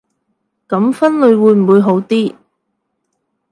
噉分類會唔會好啲